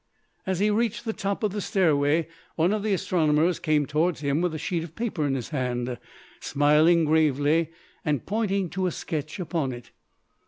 As he reached the top of the stairway one of the astronomers came towards him with a sheet of paper in his hand, smiling gravely, and pointing to a sketch upon it.